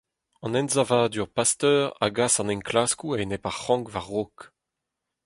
An ensavadur Pasteur a gas an enklaskoù a-enep ar c'hrank war-raok.